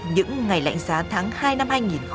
những ngày lạnh giá tháng hai năm hai nghìn hai mươi